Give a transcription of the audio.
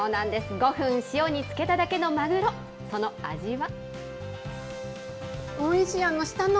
５分塩に漬けただけのマグロ、その味は？